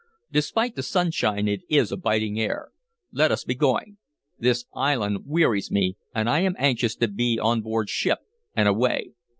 Despite the sunshine it is a biting air. Let us be going! This island wearies me, and I am anxious to be on board ship and away."